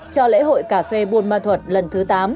cho lễ hội cà phê buôn ma thuật lần thứ tám